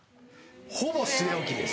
ほぼ据え置きです。